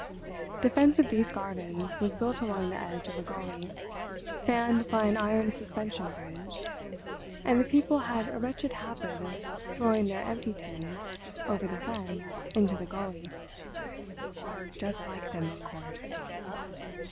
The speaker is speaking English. The fence of these gardens was built along the edge of a gully, spanned by an iron suspension bridge, and the people had a wretched habit of throwing their empty tins over the fence into the gully. Just like them, of course!